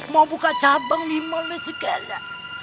mau buka cabang limau dan segala